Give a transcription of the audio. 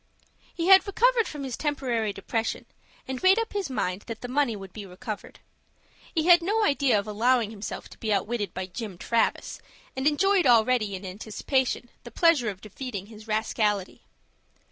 He had recovered from his temporary depression, and made up his mind that the money would be recovered. He had no idea of allowing himself to be outwitted by Jim Travis, and enjoyed already, in anticipation, the pleasure of defeating his rascality.